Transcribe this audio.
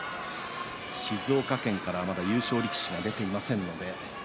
静岡県からまだ優勝力士が出ていません。